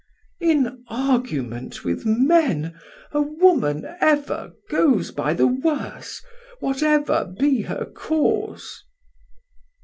Dal: In argument with men a woman ever Goes by the worse, whatever be her cause.